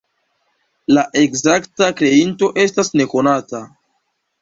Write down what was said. La ekzakta kreinto estas nekonata.